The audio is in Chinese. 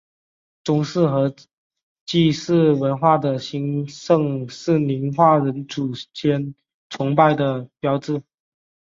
宗祠和祭祀文化的兴盛是宁化人祖先崇拜的标志。